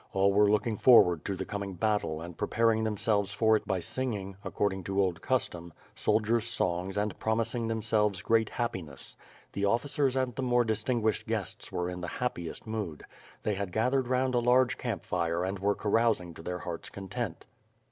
All were looking forward to the coming battle and pre paring themselves for it by singing, according to old custom, soldiers^ songs and promising themselves great happiness. The officers and the more distinguished guests were in the happiest mood. They had gathered round a large camp fire and were carousing to their heart's content.